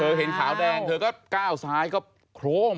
แต่ที่เฌี่ยแหยอก็กาวสายก็โครม